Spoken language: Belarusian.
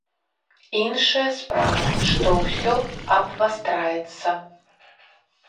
Іншая справа, што усё абвастраецца.